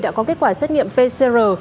đã có kết quả xét nghiệm pcr